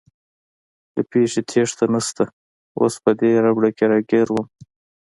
له پېښې تېښته نشته، اوس په دې ربړه کې راګیر ووم.